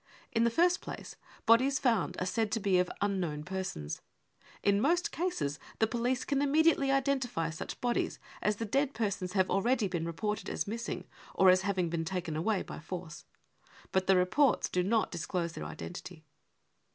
In the first place, bodies found are said to be of " un known persons." In most cases the police can immediately identify such bodies, as the dead persons have already been reported as missing or as having been taken away by force. But the reports do not disclose their identity.